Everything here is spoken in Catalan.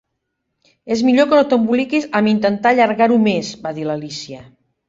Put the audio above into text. "És millor que no t'emboliquis amb intentar allargar-ho més", va dir l'Alícia.